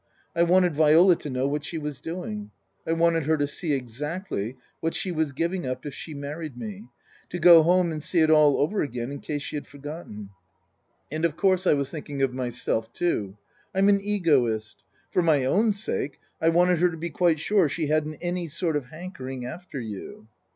I wanted Viola to know what she was doing. I wanted her to see exactly what she was giving up if she married me to go home and see it all over again in case she had forgotten. " And of course I was thinking of myself too. I'm an egoist. For my own sake I wanted her to be quite sure she hadn't any sort of hankering after you."